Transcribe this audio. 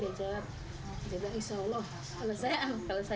dia jawab dia bilang